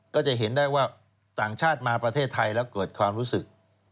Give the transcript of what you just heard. ก็จะเห็นได้ว่าต่างชาติมาประเทศไทยแล้วเกิดความรู้สึก